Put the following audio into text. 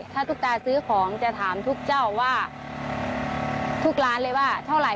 ถ้าตุ๊กตาซื้อของจะถามทุกเจ้าว่าทุกร้านเลยว่าเท่าไหร่